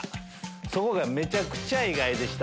そこがめちゃくちゃ意外でした。